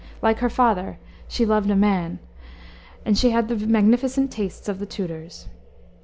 Like her father, she "loved a man," and she had the magnificent tastes of the Tudors.